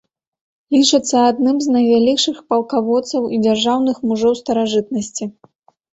Лічыцца адным з найвялікшых палкаводцаў і дзяржаўных мужоў старажытнасці.